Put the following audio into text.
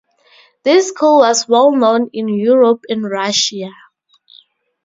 This school was well known in Europe and Russia.